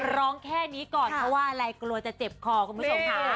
ร้องแค่นี้ก่อนเพราะว่าอะไรกลัวจะเจ็บคอคุณผู้ชมค่ะ